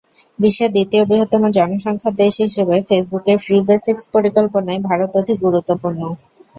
বিশ্বের দ্বিতীয় বৃহত্তম জনসংখ্যার দেশ হিসেবে ফেসবুকের ফ্রি বেসিকস পরিকল্পনায় ভারত অধিক গুরুত্বপূর্ণ।